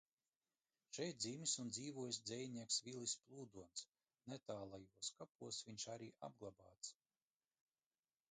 Šeit dzimis un dzīvojis dzejnieks Vilis Plūdons, netālajos kapos viņš arī apglabāts.